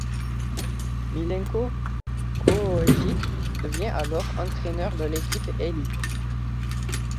Milenko Kojic devient alors, entraîneur de l’équipe élite.